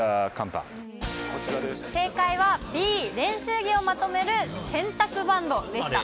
正解はＢ、練習着をまとめる洗濯バンドでした。